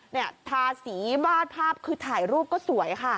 ทาสีวาดภาพคือถ่ายรูปก็สวยค่ะ